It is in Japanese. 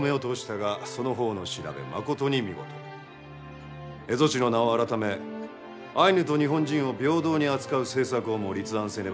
蝦夷地の名を改めアイヌと日本人を平等に扱う政策をも立案せねばならぬと思うておる。